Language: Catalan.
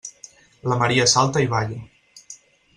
La Maria salta i balla.